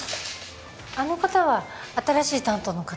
あの方は新しい担当の方？